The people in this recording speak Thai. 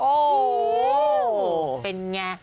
โอ้โหเป็นไง